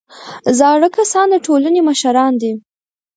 زاړه کسان د ټولنې مشران دي